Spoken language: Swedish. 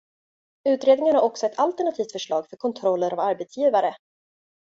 Utredningen har också ett alternativt förslag för kontroller av arbetsgivare.